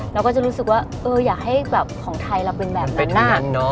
เราก็จะรู้สึกว่าอยากให้แบบของไทยเราเป็นแบบนั้นน่ะ